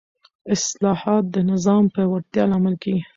اصلاحات د نظام د پیاوړتیا لامل کېږي